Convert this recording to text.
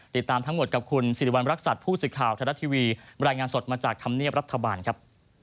ติดตามทั้งหมดกับคุณสิริวัณรักษัตริย์ผู้สื่อข่าวไทยรัฐทีวีบรรยายงานสดมาจากธรรมเนียบรัฐบาลครับ